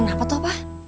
kenapa tuh pak